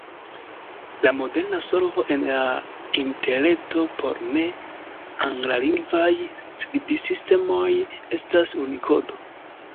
La moderna solvo en la Interreto por ne-anglalingvaj skribsistemoj estas Unikodo.